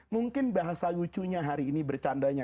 mungkin bahasa lucunya hari ini bercandanya